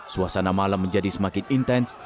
suasana malam menjadi semakin intens